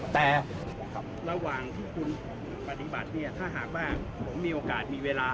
แต่ระหว่างที่คุณปฏิบัติเนี่ยถ้าหากว่าผมมีโอกาสมีเวลา